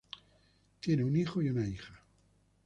Tienen un hijo y una hija.